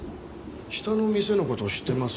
下の店の事知ってます？